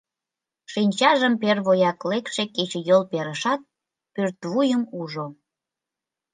Шинчажым первояк лекше кечыйол перышат, пӧртвуйым ужо.